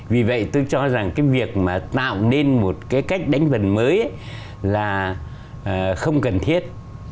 vì vậy tôi cho rằng cái việc mà tạo nên một cái cách đánh vần mới là không cần thiết